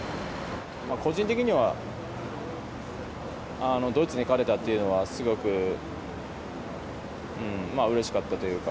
個人的にはドイツに勝てたっていうのはすごくうれしかったというか。